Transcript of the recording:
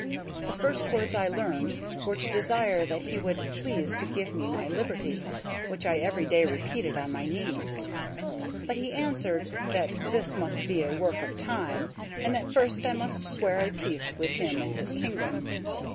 The first words I learned were to desire that he would please to give me my liberty, which I every day repeated on my knees; but he answered that this must be a work of time, and that first I must swear a peace with him and his kingdom.